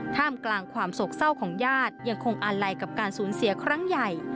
ท่ามกลางความโศกเศร้าของญาติยังคงอาลัยกับการสูญเสียครั้งใหญ่